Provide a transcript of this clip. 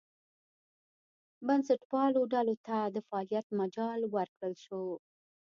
بنسټپالو ډلو ته د فعالیت مجال ورکړل شو.